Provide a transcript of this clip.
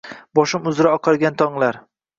Boshing uzra oqargan tonglar